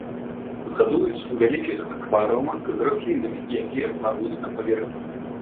Гадуюць у вялікіх акварыумах з раслінамі, якія плаваюць на паверхні.